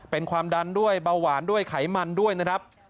เป็นความดันด้วยเบาหวานด้วยไขมันด้วยนะครับ